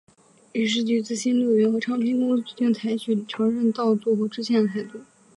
于是橘子新乐园和唱片公司决定采取承认盗作和致歉的态度。